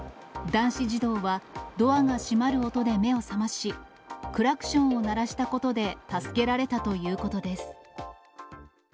男子児童は、ドアが閉まる音で目を覚まし、クラクションを鳴らしたことで助けられたということです。